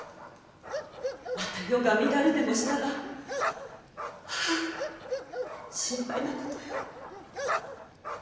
また世が乱れでもしたらああ心配なことよ。